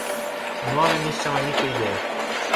Nu avem nici cea mai mică idee.